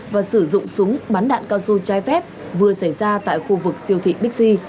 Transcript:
và sử dụng súng bắn đạn cao su trái phép vừa xảy ra tại khu vực siêu thị bixi